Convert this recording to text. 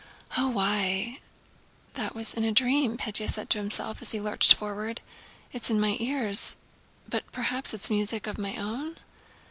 "Oh—why, that was in a dream!" Pétya said to himself, as he lurched forward. "It's in my ears. But perhaps it's music of my own.